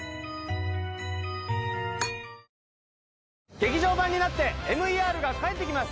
劇場版になってＭＥＲが帰ってきます